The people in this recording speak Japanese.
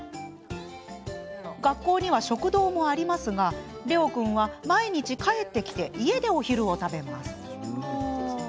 学校には食堂もありますがレオ君は毎日、帰ってきて家でお昼を食べます。